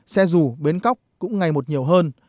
xe rủ bến cóc cũng ngày một nhiều hơn